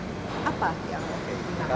apa yang dianggap